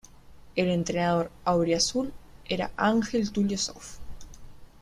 El entrenador "auriazul" era Ángel Tulio Zof.